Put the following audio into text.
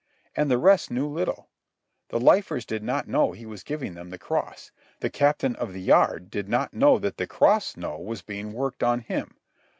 And the rest knew little. The lifers did not know he was giving them the cross. The Captain of the Yard did not know that the cross was being worked on him.